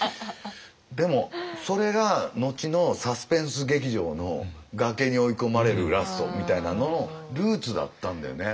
でもそれが後のサスペンス劇場の崖に追い込まれるラストみたいなののルーツだったんだよね。